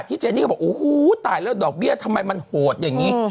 เจนี่ก็บอกโอ้โหตายแล้วดอกเบี้ยทำไมมันโหดอย่างนี้